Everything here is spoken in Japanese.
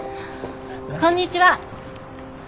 こんにちは。